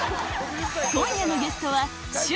今夜のゲストは祝！